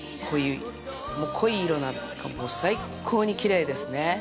もう濃い色なんか、もう最高にきれいですね。